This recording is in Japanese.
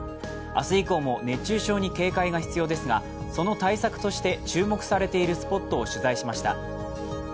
明日以降も熱中症に警戒が必要ですが、その対策として注目されているスポットを取材しました。